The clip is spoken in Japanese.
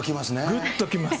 ぐっときます。